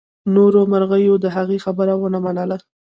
نورو مرغیو د هغې خبره ونه منله.